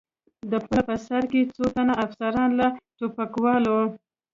د پله په سر کې څو تنه افسران، له ټوپکوالو.